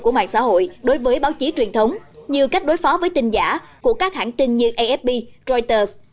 của mạng xã hội đối với báo chí truyền thống như cách đối phó với tin giả của các hãng tin như afp reuters